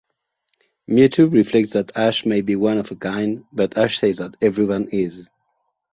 Mewtwo reflects that Ash may be one-of-a-kind, but Ash says that everyone is.